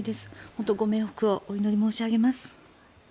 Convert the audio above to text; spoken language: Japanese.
本当にご冥福をお祈り申し上げます。